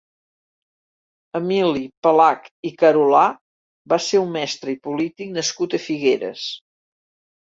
Emili Pallach i Carolà va ser un mestre i polític nascut a Figueres.